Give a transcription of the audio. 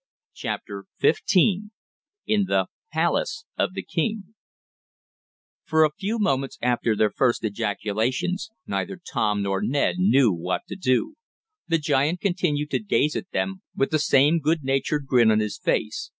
CHAPTER XV IN THE "PALACE" OF THE KING For a few moments after their first ejaculations neither Tom nor Ned knew what to do. The giant continued to gaze at them, with the same good natured grin on his face.